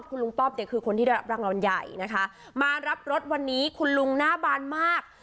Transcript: คุณลุงป๊อปเนี่ยคือคนที่ได้รับรางวัลใหญ่นะคะมารับรถวันนี้คุณลุงหน้าบานมาก